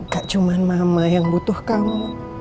gak cuma mama yang butuh kamu